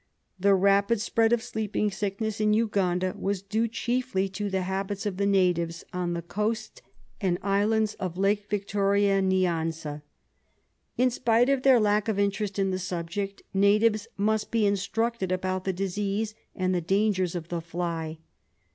The rapid spread of sleeping sickness in Uganda was due chiefly to the habits of the natives on the coast and islands of Lake Victoria Nyanza. In spite of their lack of interest in the subject, natives must be instructed about the disease and the dangers of the fly.